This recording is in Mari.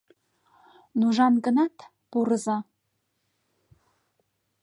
Нужан гынат, пурыза.